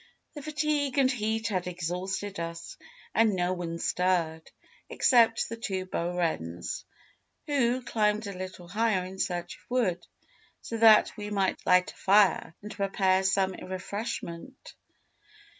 "The fatigue and heat had exhausted us, and no one stirred, except the two Bohrens, who climbed a little higher in search of wood, so that we might light a fire, and prepare some refreshment.